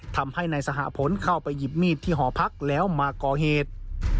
ทำให้นายสหพลเข้าไปหยิบมีดที่หอพักแล้วมาก่อเหตุ